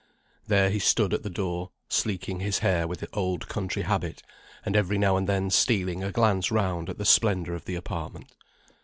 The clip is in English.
There he stood at the door, sleeking his hair with old country habit, and every now and then stealing a glance round at the splendour of the apartment.